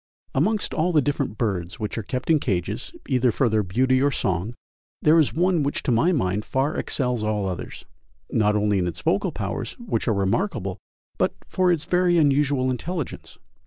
Amongst all the different birds which are kept in cages, either for their beauty or song, there is one which to my mind far excels all others, not only in its vocal powers, which are remarkable, but for its very unusual intelligence.